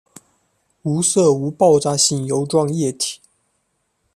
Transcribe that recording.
无色无爆炸性油状液体。